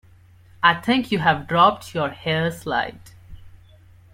I think you’ve dropped your hair slide